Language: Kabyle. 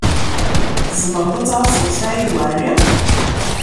Tzemṛeḍ ad tɛasseḍ Saɛid Waɛli?